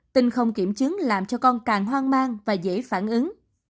tinh không kiểm chứng làm cho con càng hoang mang và dễ phản ứng